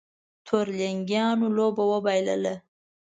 تورلېنګانو لوبه وبایلله